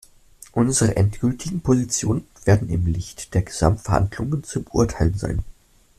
Unsere endgültigen Positionen werden im Licht der Gesamtverhandlungen zu beurteilen sein.